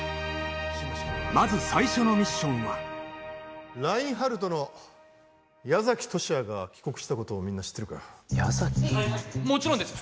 まず最初のミッションはラインハルトの矢崎十志也が帰国したことをみんな知ってるか矢崎もちろんです